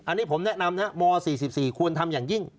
อันนี้ผมแนะนำนะม๔๔ควรทำอย่างยิ่ง